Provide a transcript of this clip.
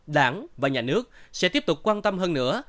đảng và nhà nước sẽ tiếp tục quan tâm hơn nữa